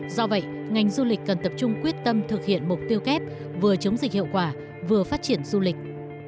do vậy ngành du lịch cần tập trung quyết tâm thực hiện mục tiêu kép vừa chống dịch hiệu quả vừa phát triển du lịch